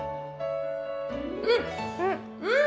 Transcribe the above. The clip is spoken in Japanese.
うん！